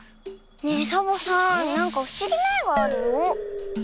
ねえサボさんなんかふしぎな「え」があるよ。